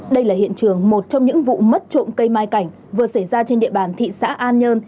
đây là hiện trường một trong những vụ mất trộm cây mai cảnh vừa xảy ra trên địa bàn thị xã an nhơn